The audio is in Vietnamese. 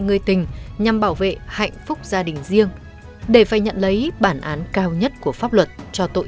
người tình nhằm bảo vệ hạnh phúc gia đình riêng để phải nhận lấy bản án cao nhất của pháp luật cho tội